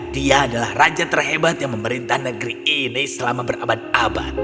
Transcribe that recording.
dia adalah raja terhebat yang memerintah negeri ini selama berabad abad